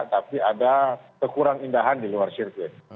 tapi ada kekurang indahan di luar sirkuit